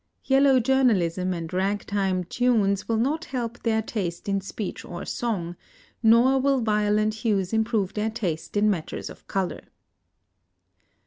Yellow journalism and rag time tunes will not help their taste in speech or song, nor will violent hues improve their taste in matters of color.